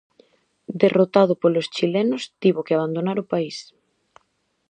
Derrotado polos chilenos, tivo que abandonar o país.